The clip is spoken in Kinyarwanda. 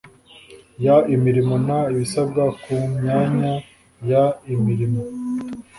y imirimo n ibisabwa ku myanya y imirimo